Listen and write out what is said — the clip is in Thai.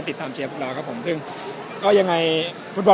สวัสดีครับขออนุญาตถ้าใครถึงแฟนทีลักษณ์ที่เกิดอยู่แล้วค่ะ